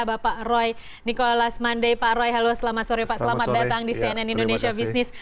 bapak roy nikolas mande pak roy halo selamat sore pak selamat datang di cnn indonesia business